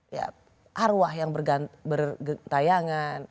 ya arwah yang bertayangan